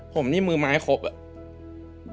ผมนี่มือไม้ครบอะ